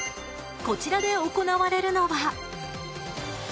こちらで行われるのは。